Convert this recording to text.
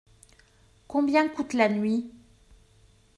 Combien coûte la nuit ?